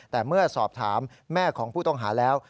แต่เมื่อสอบถามแม่ของผู้ต้องหาแล้ว